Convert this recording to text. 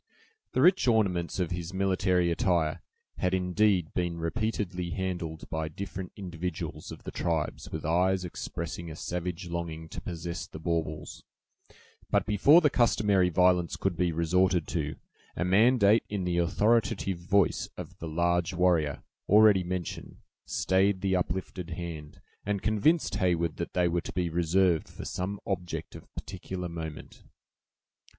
The rich ornaments of his military attire had indeed been repeatedly handled by different individuals of the tribes with eyes expressing a savage longing to possess the baubles; but before the customary violence could be resorted to, a mandate in the authoritative voice of the large warrior, already mentioned, stayed the uplifted hand, and convinced Heyward that they were to be reserved for some object of particular moment.